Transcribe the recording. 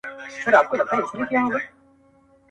كه څه هم په دار وځړوو~